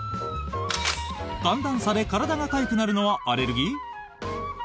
寒暖差で体がかゆくなるのはアレルギー？